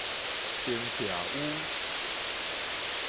燈徛 u